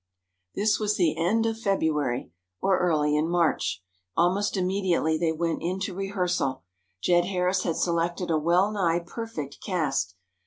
This was at the end of February, or early in March. Almost immediately, they went into rehearsal. Jed Harris had selected a well nigh perfect cast.